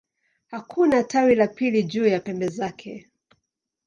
Hakuna tawi la pili juu ya pembe zake.